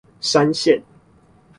山線